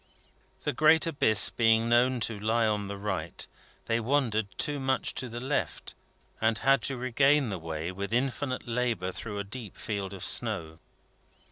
The great abyss being known to lie on the right, they wandered too much to the left, and had to regain the way with infinite labour through a deep field of snow.